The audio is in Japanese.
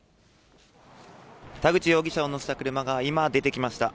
田口容疑者を乗せた車が今、出てきました。